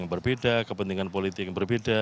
yang berbeda kepentingan politik yang berbeda